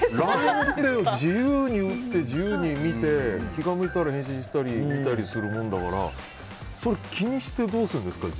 ＬＩＮＥって自由に打って自由に見て気が向いたら返信したり見たりするもんですからそれを気にしてどうするんですか？